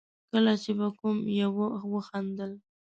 کله چې به کوم يوه وخندل.